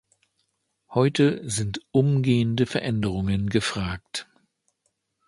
Heute sind umgehende Veränderungen gefragt.